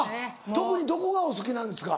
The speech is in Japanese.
特にどこがお好きなんですか？